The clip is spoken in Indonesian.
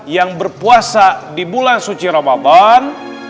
yang berpuasa di bulan suci ramadan